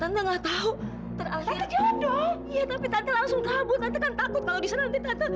tante nggak tahu terakhir jodoh iya tapi tante langsung kabur takut kalau disana nanti tante